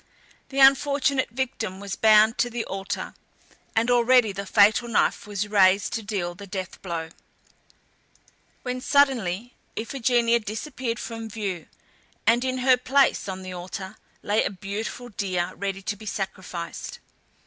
The unfortunate victim was bound to the altar, and already the fatal knife was raised to deal the death blow, when suddenly Iphigenia disappeared from view, and in her place on the altar, lay a beautiful deer ready to be sacrificed.